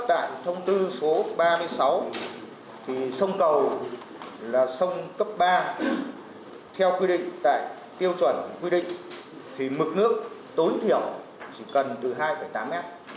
tại thông tư số ba mươi sáu thì sông cầu là sông cấp ba thì theo quy định tại tiêu chuẩn quy định thì mực nước tối thiểu chỉ cần từ hai tám mét